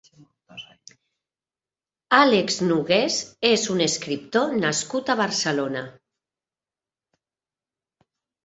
Alex Nogués és un escriptor nascut a Barcelona.